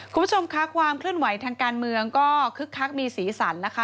คุณผู้ชมค่ะความเคลื่อนไหวทางการเมืองก็คึกคักมีสีสันนะคะ